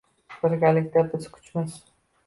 Birgalikda biz kuchmiz